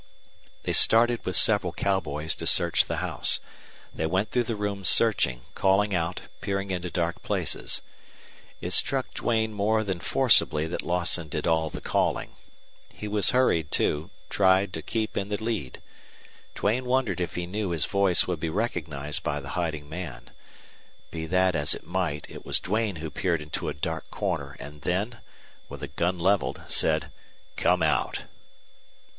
They started with several cowboys to search the house. They went through the rooms searching, calling out, peering into dark places. It struck Duane more than forcibly that Lawson did all the calling. He was hurried, too, tried to keep in the lead. Duane wondered if he knew his voice would be recognized by the hiding man. Be that as it might, it was Duane who peered into a dark corner and then, with a gun leveled, said "Come out!"